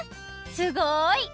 すごい！